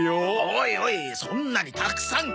おいおいそんなにたくさん。